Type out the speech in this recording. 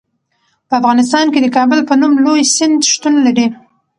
په افغانستان کې د کابل په نوم لوی سیند شتون لري.